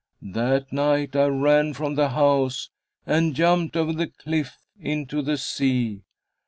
That night I ran from the house and jumped over the cliff into the sea."